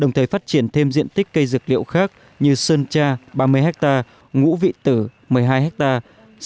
đồng thời phát triển thêm diện tích cây dược liệu khác như sơn cha ba mươi hectare ngũ vị tử một mươi hai hectare